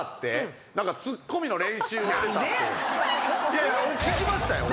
いやいや聞きましたよ。